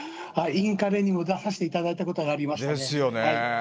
インカレにも出させて頂いたことがありましたね。ですよね。